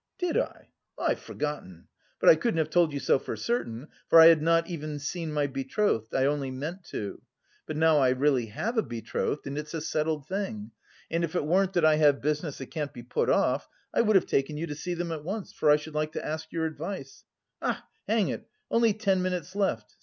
"Did I? I've forgotten. But I couldn't have told you so for certain for I had not even seen my betrothed; I only meant to. But now I really have a betrothed and it's a settled thing, and if it weren't that I have business that can't be put off, I would have taken you to see them at once, for I should like to ask your advice. Ach, hang it, only ten minutes left!